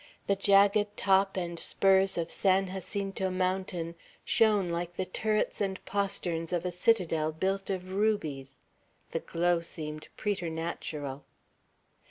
The jagged top and spurs of San Jacinto Mountain shone like the turrets and posterns of a citadel built of rubies. The glow seemed preternatural.